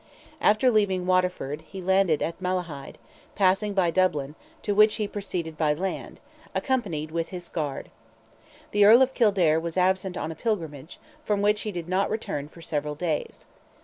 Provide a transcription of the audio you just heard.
After leaving Waterford, he landed at Malahide, passing by Dublin, to which he proceeded by land, accompanied with his guard. The Earl of Kildare was absent on a pilgrimage, from which he did not return for several days.